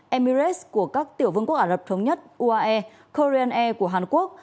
emirates của các tiểu vương quốc ả rập thống nhất uae korean air của hàn quốc